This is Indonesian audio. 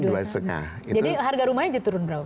jadi harga rumahnya aja turun berapa